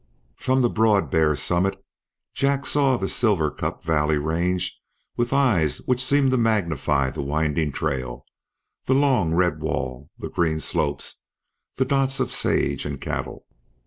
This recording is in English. From the broad bare summit Jack saw the Silver Cup valley range with eyes which seemed to magnify the winding trail, the long red wall, the green slopes, the dots of sage and cattle.